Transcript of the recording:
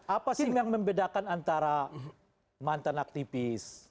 apa sih yang membedakan antara mantan aktivis